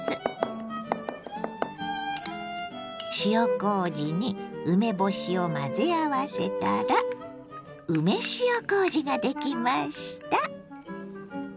塩こうじに梅干しを混ぜ合わせたら梅塩こうじができました。